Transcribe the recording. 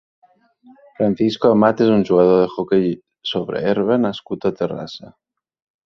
Francisco Amat és un jugador d'hoquei sobre herba nascut a Terrassa.